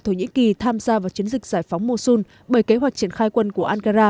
thổ nhĩ kỳ tham gia vào chiến dịch giải phóng mosun bởi kế hoạch triển khai quân của ankara